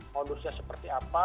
modusnya seperti apa